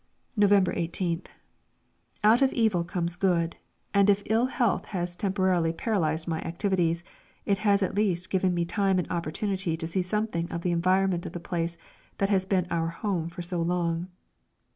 November 18th. Out of evil comes good, and if ill health has temporarily paralysed my activities, it has at least given me time and opportunity to see something of the environment of the place that has been our home for so long.